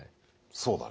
そうだね。